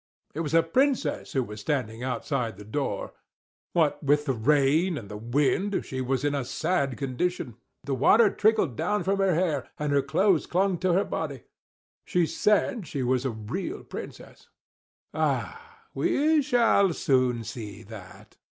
It was a Princess who was standing outside the door. What with the rain and the wind, she was in a sad condition; the water trickled down from her hair, and her clothes clung to her body. She said she was a real Princess. "Ah! we shall soon see that!"